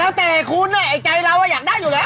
ไอ้ใจเราอยากได้อยู่แล้ว